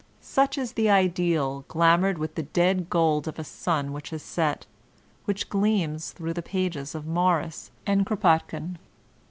Such is the ideal glamored with the dead gold of a sun which has set, which gleams through the pages of Morris and Kropotkin.